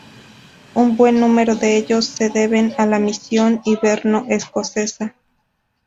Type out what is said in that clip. Un buen número de ellos se deben a la misión hiberno-escocesa.